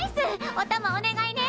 おたまお願いね。